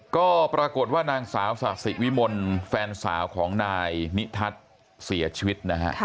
ก็ปรากฏว่านางสาวศกศิกวิมลแฟนสาวของนายณิทัชเสียชีวิต